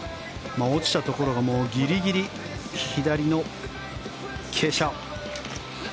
落ちたところがギリギリ、左の傾斜。